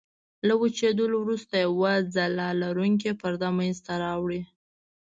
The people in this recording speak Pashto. له وچېدلو وروسته یوه ځلا لرونکې پرده منځته راوړي.